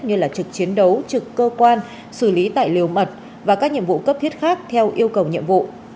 như trực chiến đấu trực cơ quan xử lý tại liều mật và các nhiệm vụ cấp thiết khác theo yêu cầu nhiệm vụ